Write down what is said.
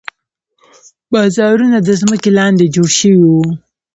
بازارونه د ځمکې لاندې جوړ شوي وو.